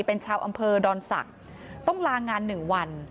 เป็นชาวอำเภอดอนศักดิ์ต้องลางาน๑วัน